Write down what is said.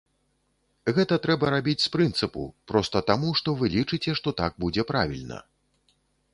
Гэта трэба рабіць з прынцыпу, проста таму, што вы лічыце, што так будзе правільна.